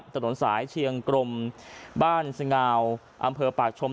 ถนนสายเชียงกรมบ้านสงาวอำเภอปากชม